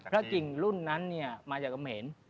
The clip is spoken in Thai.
พระกลิ่งรุ่นนั้นมาจากกำเหน